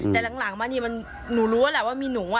แต่หลังมานี่หนูรู้แหละว่ามีหนู